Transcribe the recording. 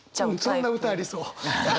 そんな歌ありそう。